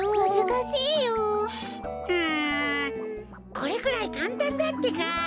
これくらいかんたんだってか。